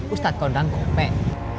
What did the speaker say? ustadz kondang gobek